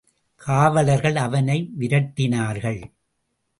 காவலர்கள் அவனை விரட்டினார்கள்.